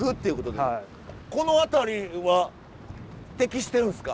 この辺りは適してるんすか？